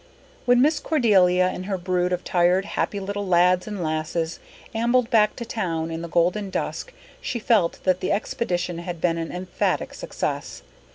When Miss Cordelia and her brood of tired, happy little lads and lasses ambled back to town in the golden dusk she felt that the expedition had been an emphatic success.